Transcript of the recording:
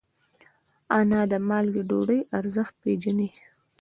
انا د مالګې ډوډۍ ارزښت پېژني